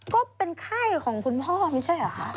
ก็เป็นไข้ของคุณพ่อไม่ใช่เหรอคะ